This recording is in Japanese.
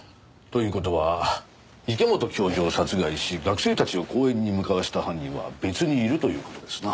という事は池本教授を殺害し学生たちを公園に向かわせた犯人は別にいるという事ですな。